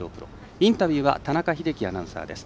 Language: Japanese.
インタビューは田中秀樹アナウンサー。